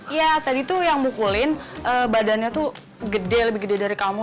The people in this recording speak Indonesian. iya tadi tuh yang mukulin badannya tuh gede lebih gede dari kamu